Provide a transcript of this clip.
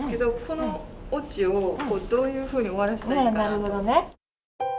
なるほどね。